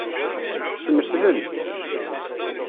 Ssneflen.